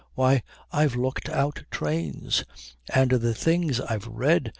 Why, I've looked out trains. And the things I've read!